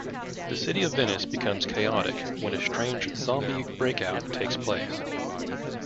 The city of Venice becomes chaotic when a strange zombie breakout takes place.